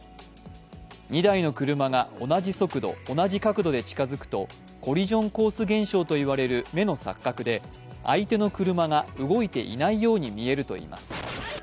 ２台の車が同じ速度、同じ角度で近づくとコリジョンコース現象といわれる目の錯覚で相手の車が動いていないように見えるといいます。